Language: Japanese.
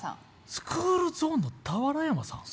スクールゾーンの俵山さん？